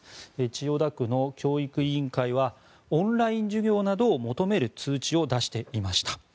千代田区の教育委員会はオンライン授業などを求める通知を出していました。